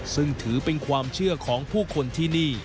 ซึ่งถือเป็นความเชื่อของผู้คนที่นี่